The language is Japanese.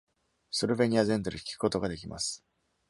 Slovenia 全土で聞くことができます。